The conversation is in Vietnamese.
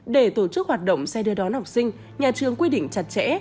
để tổ chức hoạt động xe đưa đón học sinh nhà trường quy định chặt chẽ